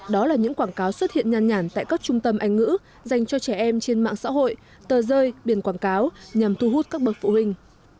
đó là những quảng cáo xuất hiện nhan nhản tại các trung tâm anh ngữ dành cho trẻ em trên mạng xã hội tờ rơi biển quảng cáo nhằm thu hút các bậc phụ huynh